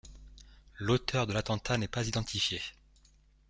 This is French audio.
L'auteur de l'attentat n'est pas identifié.